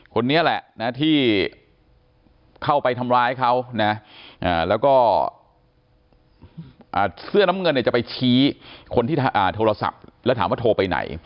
คนนี้แหละนะที่เข้าไปทำร้ายเขานะแล้วก็เสื้อน้ำเงินเนี่ยจะไปชี้คนที่โทรศัพท์แล้วถามว่าโทรไปไหน